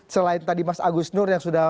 selain tadi mas agus nur yang sudah